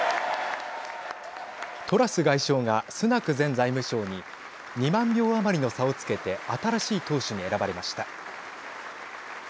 トラス外相が、スナク前財務相に２万票余りの差をつけて新しい党首に選ばれました。